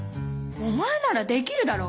お前ならできるだろ！